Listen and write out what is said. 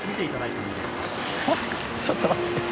ちょっと待って。